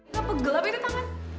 nggak pegel apa itu tangan